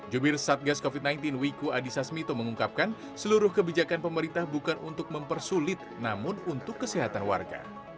jubir satgas covid sembilan belas wiku adhisa smito mengungkapkan seluruh kebijakan pemerintah bukan untuk mempersulit namun untuk kesehatan warga